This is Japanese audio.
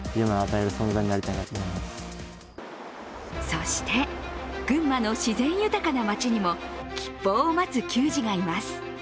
そして群馬の自然豊かな町にも吉報待つ球児がいます。